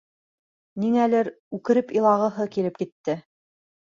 Ниңәлер үкереп илағыһы килеп китте.